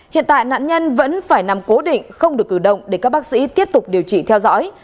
hiện tại nạn nhân vẫn phải nằm cố định không được cử động để các bác sĩ tiếp tục điều trị theo dõi